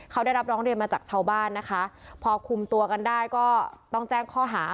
เขาได้รับร้องเรียนมาจากชาวบ้านนะคะพอคุมตัวกันได้ก็ต้องแจ้งข้อหา